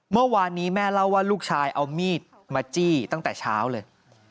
เมื่อวานนี้แม่เล่าว่าลูกชายเอามีดมาจี้ตั้งแต่เช้าเลย